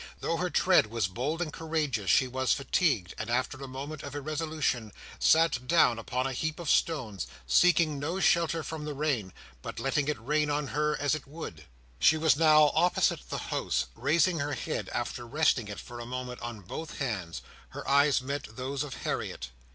Though her tread was bold and courageous, she was fatigued, and after a moment of irresolution,—sat down upon a heap of stones; seeking no shelter from the rain, but letting it rain on her as it would. She was now opposite the house; raising her head after resting it for a moment on both hands, her eyes met those of Harriet.